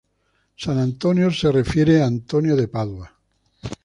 San Antonio se refiere a Antonio de Padua.